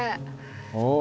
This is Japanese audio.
お。